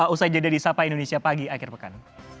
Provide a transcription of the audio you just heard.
usai jadi sapa indonesia pagi akhir pekan